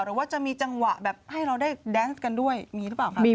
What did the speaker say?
หรือว่าจะมีจังหวะแบบให้เราได้แดนส์กันด้วยมีหรือเปล่าคะ